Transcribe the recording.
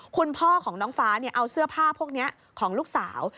คุณพ่อของน้องฟ้าเอาเสื้อผ้าพวกนี้ของลูกสาว